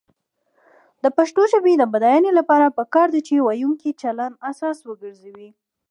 د پښتو ژبې د بډاینې لپاره پکار ده چې ویونکو چلند اساس وګرځي.